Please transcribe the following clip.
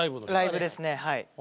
ライブですねはい。